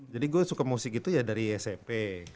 gue suka musik itu ya dari smp